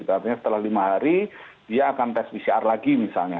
artinya setelah lima hari dia akan tes pcr lagi misalnya